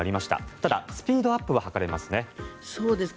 ただ、スピードアップは図れますね。